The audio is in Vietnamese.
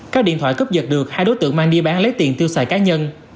các điện thoại cướp dật được hai đối tượng mang đi bán lấy tiền tiêu xài cá nhân